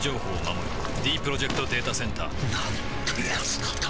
ディープロジェクト・データセンターなんてやつなんだ